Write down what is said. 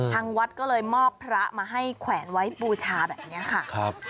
ทางวัดก็เลยมอบพระมาให้แขวนไว้บูชาแบบนี้ค่ะ